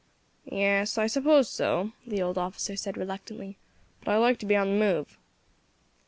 "Yes, I suppose so," the old officer said reluctantly; "but I like to be on the move."